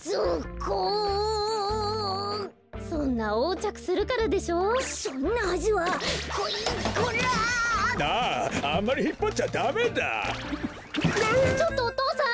ちょっとお父さん。